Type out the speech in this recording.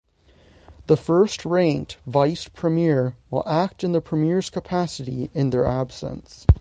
The First-ranked Vice Premier will act in the premier's capacity in their absence.